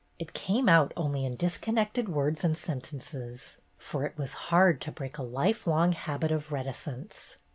It came out only in disconnected words and sentences, for it was hard to break a life long habit of reticence.